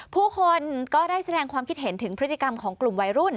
ผู้คนก็ได้แสดงความคิดเห็นถึงพฤติกรรมของกลุ่มวัยรุ่น